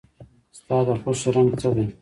ستا د خوښې رنګ څه دی؟